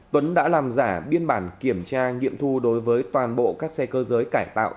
tuấn đã làm giả biên bản kiểm tra nghiệm thu đối với toàn bộ các xe cơ giới cải tạo